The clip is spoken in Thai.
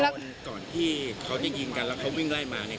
ก่อนที่เขาจะยิงกันแล้วเขาวิ่งไล่มาเนี่ย